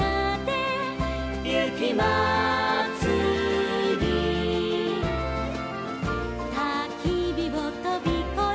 「ゆきまつり」「たきびをとびこえ」